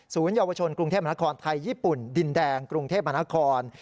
เยาวชนกรุงเทพมนครไทยญี่ปุ่นดินแดงกรุงเทพมนาคม